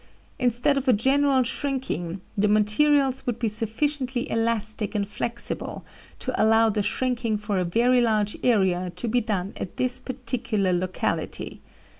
Instead of a general shrinking, the materials would be sufficiently elastic and flexible to allow the shrinking for a very large area to be done at this particular locality.